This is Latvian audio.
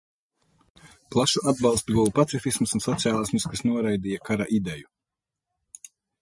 Plašu atbalstu guva pacifisms un sociālisms, kas noraidīja kara ideju.